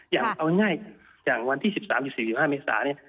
อย่างเอาง่ายอย่างวันที่๑๓๔๕เมษาเนี่ย